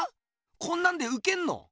こんなんでウケんの？